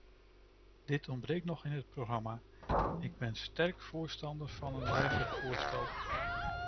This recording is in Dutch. Dit ontbreekt nog in het programma; ik ben sterk voorstander van een dergelijk voorstel.